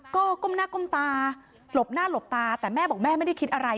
ก็ก้มหน้าก้มตาหลบหน้าหลบตาแต่แม่บอกแม่ไม่ได้คิดอะไร